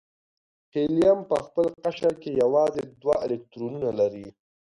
هیلیم په خپل قشر کې یوازې دوه الکترونونه لري.